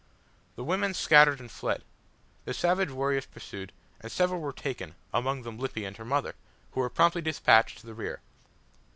The women scattered and fled. The savage warriors pursued, and several were taken, among them Lippy and her mother, who were promptly despatched to the rear.